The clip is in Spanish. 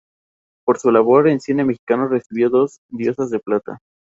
Por su labor en cine mexicano, recibió Dos Diosas de Plata.